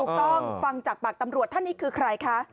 ฟังจากปากตำรวจท่านนี้คือใครคะ